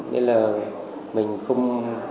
nên là mình không